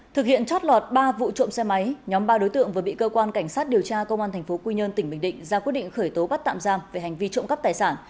thực hiện trót lọt ba vụ trộm xe máy nhóm ba đối tượng vừa bị cơ quan cảnh sát điều tra công an tp quy nhơn tỉnh bình định ra quyết định khởi tố bắt tạm giam về hành vi trộm cắp tài sản